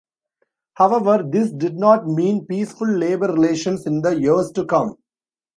However, this did not mean peaceful labor relations in the years to come.